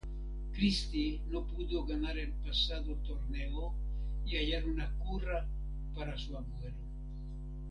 Christie no pudo ganar el pasado torneo y hallar una cura para su abuelo.